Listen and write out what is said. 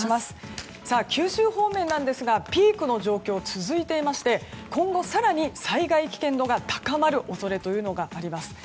九州方面なんですがピークの状況が続いていまして今後更に災害危険度が高まる恐れがあります。